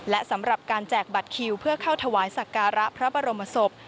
และสำหรับการแจกบัตรคิวเพื่อเข้าถวายสักการะพระบรมศพ